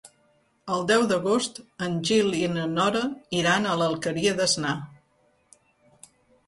El deu d'agost en Gil i na Nora iran a l'Alqueria d'Asnar.